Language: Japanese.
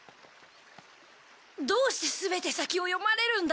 どうして全て先を読まれるんだ。